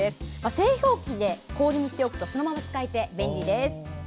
製氷機で氷にしておくとそのまま使えて便利です。